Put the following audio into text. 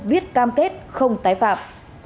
viết cam kết không tái phạm